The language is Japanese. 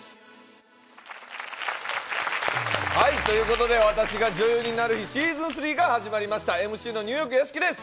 ということで「『私が女優になる日＿』ｓｅａｓｏｎ３」が始まりましたＭＣのニューヨーク・屋敷です。